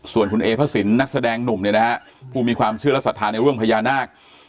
ส่วนคุณเอพระสินนักแสดงหนุ่มเนี่ยนะฮะผู้มีความเชื่อและศรัทธาในเรื่องพญานาค